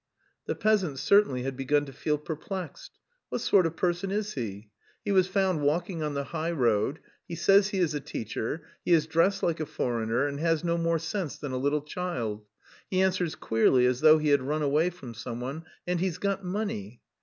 The peasants certainly had begun to feel perplexed: "What sort of person is he? He was found walking on the high road, he says he is a teacher, he is dressed like a foreigner, and has no more sense than a little child; he answers queerly as though he had run away from someone, and he's got money!"